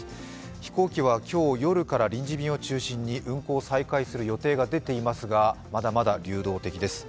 飛行機は今日夜から臨時便を中心に運航を再開する予定が出ていますがまだまだ流動的です。